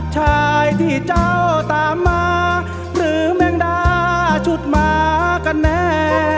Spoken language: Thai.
ชายที่เจ้าตามมาหรือแมงดาชุดหมากันแน่